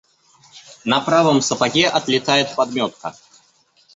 На правом сапоге отлетает подметка.